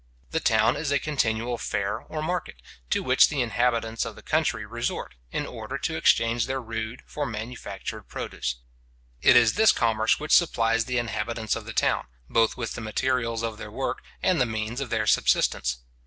The town is a continual fair or market, to which the inhabitants of the country resort, in order to exchange their rude for manufactured produce. It is this commerce which supplies the inhabitants of the town, both with the materials of their work, and the means of their subsistence.